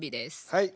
はい。